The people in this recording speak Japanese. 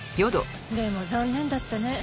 でも残念だったね。